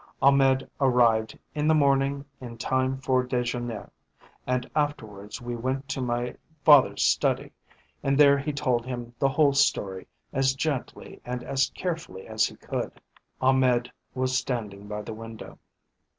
Ahmed arrived in the morning in time for dejeuner, and afterwards we went to my father's study, and there he told him the whole story as gently and as carefully as he could. Ahmed was standing by the window.